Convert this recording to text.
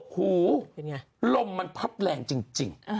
หูลมมันพัดแรงจริง